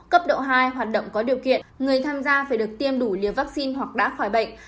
cấp độ hai hoạt động có điều kiện người tham gia phải được tiêm đủ liều vaccine hoặc đã khỏi bệnh